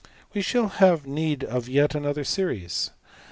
} We shall have need of yet another series.